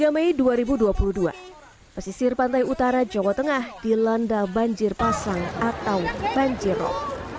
tiga mei dua ribu dua puluh dua pesisir pantai utara jawa tengah dilanda banjir pasang atau banjirop